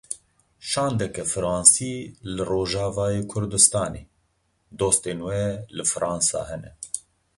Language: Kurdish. Şandeke Fransî li Rojavayê Kurdistanê: Dostên we li Fransa hene.